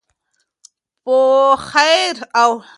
په خیر او